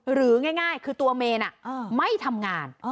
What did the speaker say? หรือง่ายคือตัวเมนไม่ทำงาน